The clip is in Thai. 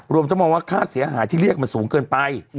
รวมทั้งมองว่าค่าเสียหายที่เรียกมันสูงเกินไป